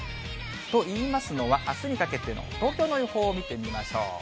といいますのは、あすにかけての東京の予報を見てみましょう。